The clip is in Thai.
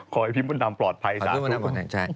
ขอให้พี่มุนดำปลอดภัยสาวทุกคน